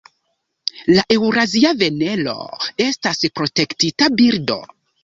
La Eŭrazia vanelo estas protektita birdo.